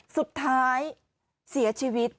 สุดท้ายเสียชีวิต